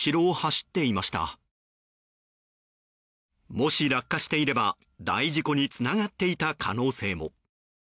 もし落下していれば大事故につながっていた可能性も。